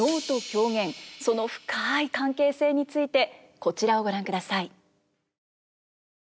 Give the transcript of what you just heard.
その深い関係性についてこちらをご覧ください。